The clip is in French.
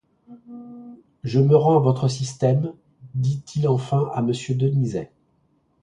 Je me rends à votre système, dit-il enfin à Monsieur Denizet.